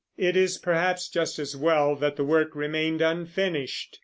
It is perhaps just as well that the work remained unfinished.